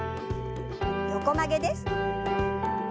横曲げです。